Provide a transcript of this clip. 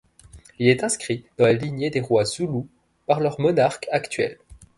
Il est inscrit dans la lignée des rois zoulous par leur monarque actuel.